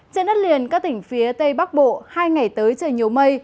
trên đất liền các tỉnh phía tây bắc bộ hai ngày tới trời nhiều mây